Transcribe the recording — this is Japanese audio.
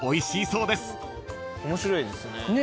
面白いですね。